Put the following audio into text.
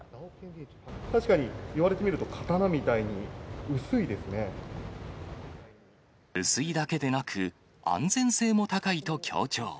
確かに言われてみると、薄いだけでなく、安全性も高いと強調。